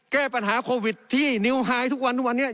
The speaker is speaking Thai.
แก้ปัญหาโควิดที่นิวไฮทุกวันทุกวันนี้